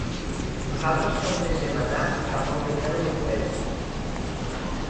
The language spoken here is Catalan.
Nosaltres plantegem anar cap a un model europeu.